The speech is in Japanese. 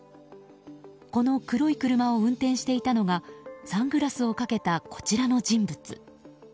この黒い車を運転していたのがサングラスをかけたこちらの人物。